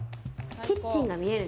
キッチンが見える。